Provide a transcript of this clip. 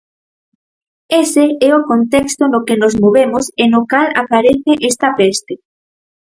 Ese é o contexto no que nos movemos e no cal aparece esta peste.